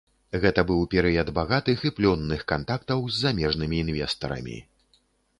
Гэта быў перыяд багатых і плённых кантактаў з замежнымі інвестарамі.